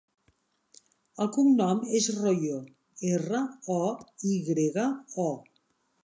El cognom és Royo: erra, o, i grega, o.